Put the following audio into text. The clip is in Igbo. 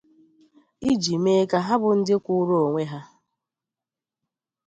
iji mee ka ha bụ ndị kwụụrụ onwe ha.